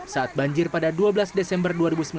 saat banjir pada dua belas desember dua ribu sembilan belas